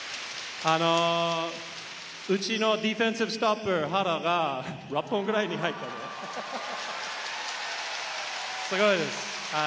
うちのディフェンスストップ、原が６本くらいに入った、すごいです。